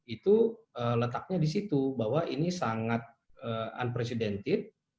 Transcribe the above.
itu letaknya disitu bahwa ini sangat unprecedented